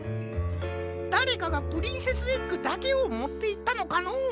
だれかがプリンセスエッグだけをもっていったのかのう？